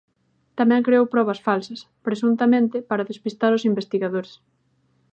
Tamén creou probas falsas, presuntamente, para despistar os investigadores.